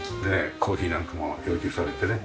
コーヒーなんかも要求されてね。